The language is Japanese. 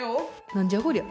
何じゃこりゃ？